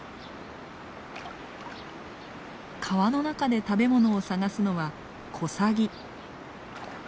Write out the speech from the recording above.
川の中で食べ物を探すのはコサギ。